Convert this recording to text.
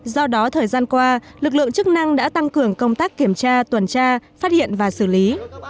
do đó thời gian qua lực lượng chức năng đã tăng cường công tác kiểm tra tuần tra phát hiện và xử lý